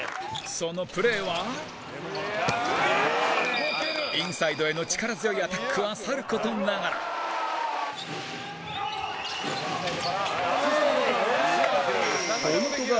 そのプレーはインサイドへの力強いアタックはさる事ながら田村：逆サイドから。